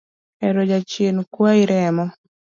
Ero jachien kwayi remo